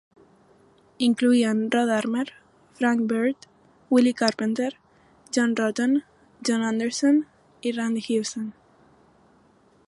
Incloïen Rhodarmer, Frank Byrd, Wiley Carpenter, John Roten, John Anderson i Randy Houston.